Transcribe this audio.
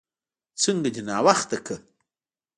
څنګه دې ناوخته کړه؟